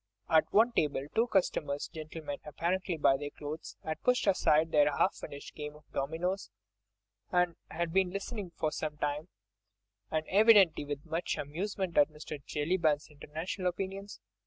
At one table two customers—gentlemen apparently by their clothes—had pushed aside their half finished game of dominoes, and had been listening for some time, and evidently with much amusement at Mr. Jellyband's international opinions.